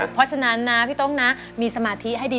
เพราะฉะนั้นนะพี่ต้งนะมีสมาธิให้ดี